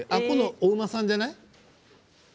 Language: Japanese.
お馬さんじゃない？